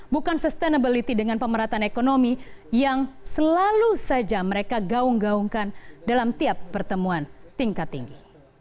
bukan sustainability dengan pemerataan ekonomi yang selalu saja mereka gaung gaungkan dalam tiap pertemuan tingkat tinggi